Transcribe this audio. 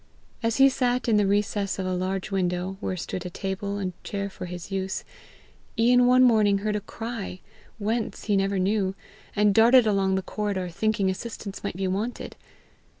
As he sat in the recess of a large window, where stood a table and chair for his use, Ian one morning heard a cry whence, he never knew and darted along the corridor, thinking assistance might be wanted.